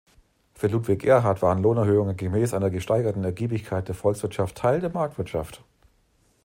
Für Ludwig Erhard waren Lohnerhöhungen gemäß einer gesteigerten Ergiebigkeit der Volkswirtschaft Teil der Marktwirtschaft.